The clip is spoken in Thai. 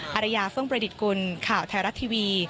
ฮรรยาฟุ่งประดิษฐกุลข่าวใทรัตน์ทีวี